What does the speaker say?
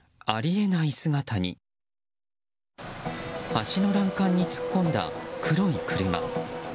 橋の欄干に突っ込んだ黒い車。